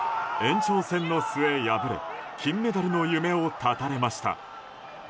延長戦の末、敗れ金メダルの夢を絶たれました。